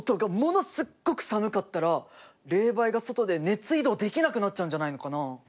すっごく寒かったら冷媒が外で熱移動できなくなっちゃうんじゃないのかな？